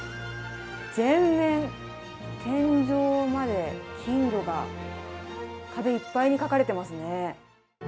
全面、天井まで金魚が壁いっぱいに描かれてますね。